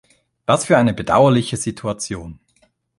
Was für eine bedauerliche Situation!